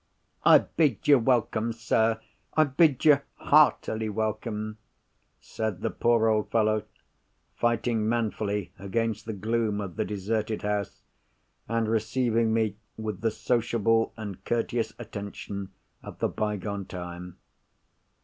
I bid you welcome, sir! I bid you heartily welcome!" said the poor old fellow, fighting manfully against the gloom of the deserted house, and receiving me with the sociable and courteous attention of the bygone time.